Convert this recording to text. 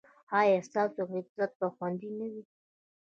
ایا ستاسو عزت به خوندي نه وي؟